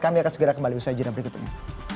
kami akan segera kembali bersajaran berikutnya